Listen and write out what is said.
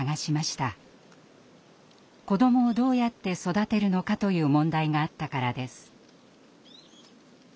子どもをどうやって育てるのかという問題があったからです。